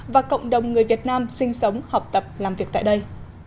và cộng đồng người việt nam sinh sống học tập làm việc tại đây